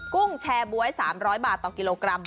กุ้งแชร์บ๊วย๓๐๐บาทต่อกิโลกรัม